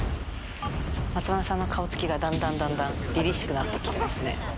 松丸さんの顔つきが、だんだんりりしくなってきていますね。